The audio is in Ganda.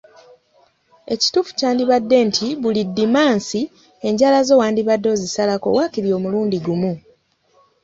Ekituufu kyandibadde nti buli Ddimansi enjala zo wandibadde ozisalako waakiri omulundi gumu.